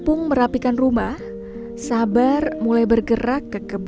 uji peserta terima kasih terima kasih